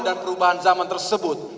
dan perubahan zaman tersebut